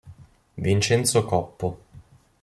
Vincenzo Coppo